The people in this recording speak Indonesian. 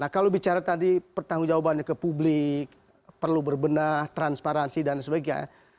nah kalau bicara tadi pertanggung jawabannya ke publik perlu berbenah transparansi dan sebagainya